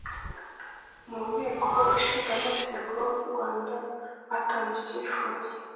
mu Nteko Ishinga Amategeko y’u Rwanda batanze icyifuzo